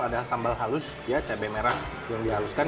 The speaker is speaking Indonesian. ada sambal halus cabai merah yang dihaluskan